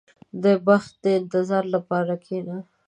• د بخت د انتظار لپاره کښېنه.